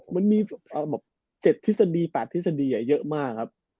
มันมี๗ทฤษฎี๘ทฤษฎีเยอะมากครับ